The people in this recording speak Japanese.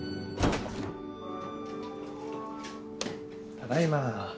ただいま。